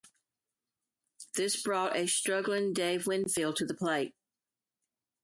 This brought a struggling Dave Winfield to the plate.